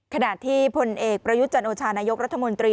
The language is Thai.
ขณะที่พลเอกประยุทธ์จันโอชานายกรัฐมนตรี